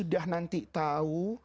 sudah nanti tahu